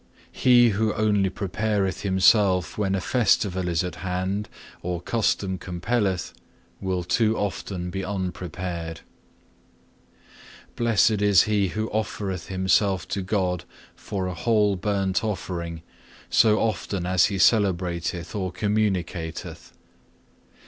7. He who only prepareth himself when a festival is at hand or custom compelleth, will too often be unprepared. Blessed is he who offereth himself to God for a whole burnt offering, so often as he celebrateth or communicateth!